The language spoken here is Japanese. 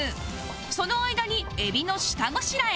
その間にエビの下ごしらえ